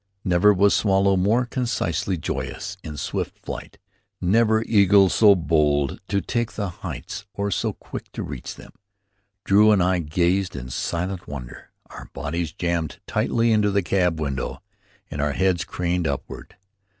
Never was swallow more consciously joyous in swift flight, never eagle so bold to take the heights or so quick to reach them. Drew and I gazed in silent wonder, our bodies jammed tightly into the cab window, and our heads craned upward.